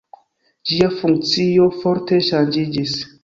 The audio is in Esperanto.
Ĝia funkcio forte ŝanĝiĝis.